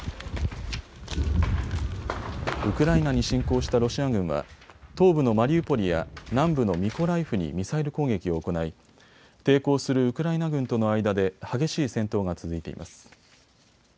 ウクライナに侵攻したロシア軍は東部のマリウポリや南部のミコライフにミサイル攻撃を行い抵抗するウクライナ軍との間で激しい戦闘が続いています。